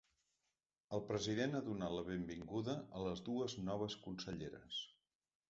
El president ha donat la benvinguda a les dues noves conselleres.